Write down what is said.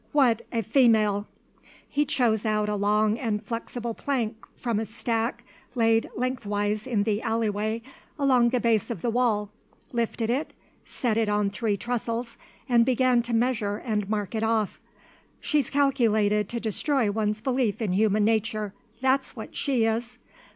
What a female!" He chose out a long and flexible plank from a stack laid lengthwise in the alley way along the base of the wall, lifted it, set it on three trestles, and began to measure and mark it off. "She's calculated to destroy one's belief in human nature, that's what she is!